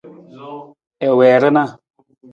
I wii rana.